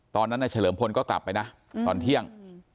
ตอนนั้นนายเฉลิมพลก็กลับไปนะตอนเที่ยง